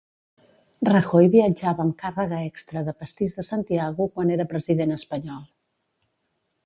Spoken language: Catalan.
Rajoy viatjava amb càrrega extra de pastís de santiago quan era president espanyol.